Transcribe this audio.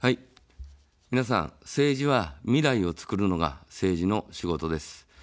皆さん、政治は未来をつくるのが政治の仕事です。